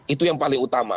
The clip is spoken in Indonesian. itu yang paling utama